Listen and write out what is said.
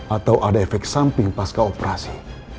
atau ada efek samping pas keoperasi